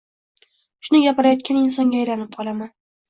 Shuni gapirayotgan insonga aylanib qolaman.